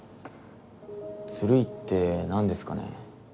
ずるいって何ですかね。